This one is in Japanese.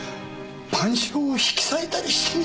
『晩鐘』を引き裂いたりしてみろ！